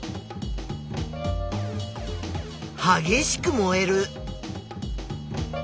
はげしく燃える。